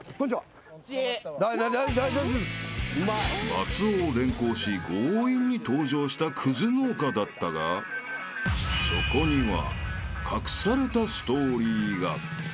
［松尾を連行し強引に登場したクズ農家だったがそこには］